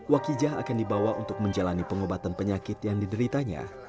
wakijah akan dibawa untuk menjalani pengobatan penyakit yang dideritanya